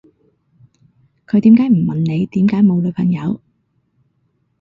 佢點解唔問你點解冇女朋友